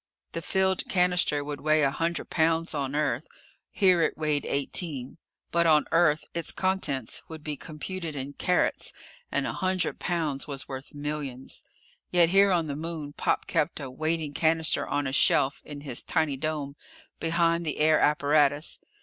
The filled cannister would weigh a hundred pounds on Earth. Here it weighed eighteen. But on Earth its contents would be computed in carats, and a hundred pounds was worth millions. Yet here on the Moon Pop kept a waiting cannister on a shelf in his tiny dome, behind the air apparatus.